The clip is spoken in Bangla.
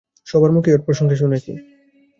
সবার মুখেই ওর প্রশংসা শুনেছি।